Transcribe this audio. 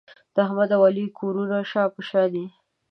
د احمد او علي کورونه شا په شا دي.